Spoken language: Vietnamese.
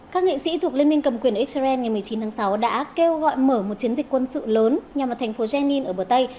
các nghị sĩ thuộc liên minh cầm quyền israel ngày một mươi chín tháng sáu đã kêu gọi mở một chiến dịch quân sự lớn nhằm vào thành phố jenin ở bờ tây